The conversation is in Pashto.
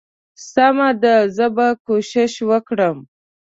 سمه ده زه به کوشش وکړم.